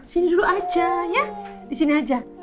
sini dulu aja ya disini aja